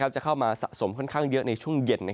จะเข้ามาสะสมค่อนข้างเยอะในช่วงเย็น